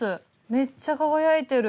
めっちゃ輝いてる。